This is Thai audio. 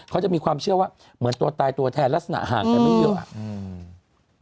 เขาจะมีความเชื่อว่าเหมือนตัวตายตัวแทนลักษณะห่างกันไม่เยอะอ่ะอืม